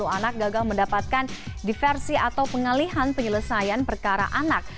sepuluh anak gagal mendapatkan diversi atau pengalihan penyelesaian perkara anak